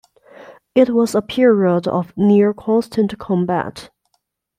It was a period of near constant combat.